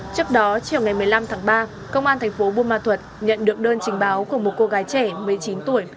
trước đó chiều ngày một mươi năm tháng ba công an thành phố buôn ma thuật nhận được đơn trình báo của một cô gái trẻ một mươi chín tuổi